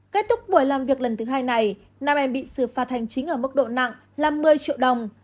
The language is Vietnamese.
kết thúc buổi làm việc lần thứ hai này nam em bị xử phạt hành chính ở mức độ nặng là một mươi triệu đồng